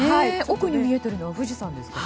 奥に見えているのは富士山ですか？